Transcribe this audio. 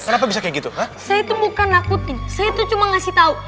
sobri kenapa bisa kayak gitu saya tuh bukan nakutin saya tuh cuma ngasih tahu